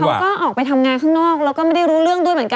เขาก็ออกไปทำงานข้างนอกแล้วก็ไม่ได้รู้เรื่องด้วยเหมือนกัน